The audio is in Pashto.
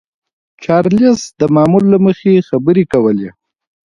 چارليس د معمول له مخې خبرې کولې.